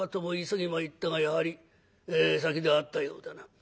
急ぎ参ったがやはり先であったようだな。